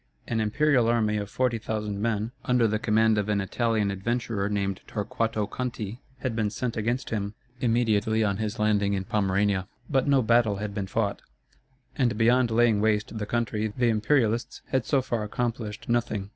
An imperial army of forty thousand men, under the command of an Italian adventurer named Torquato Conti, had been sent against him, immediately on his landing in Pomerania, but no battle had been fought, and beyond laying waste the country the Imperialists had so far accomplished nothing.